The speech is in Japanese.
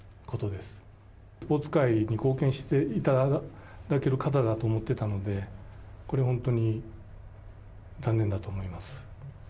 スポーツ界に貢献していただける方だと思ってたので、これは本当に残念だと思います。